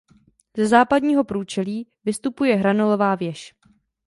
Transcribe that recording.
Ze západního průčelí vystupuje hranolová věž.